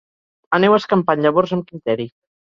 Aneu escampant llavors amb criteri.